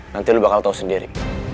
nanti lo bakal tahu sendiri